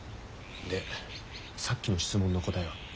でさっきの質問の答えは？